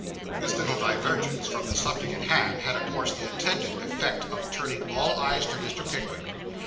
This little divergence from the subject in hand, had, of course, the intended effect of turning all eyes to Mr. Pickwick.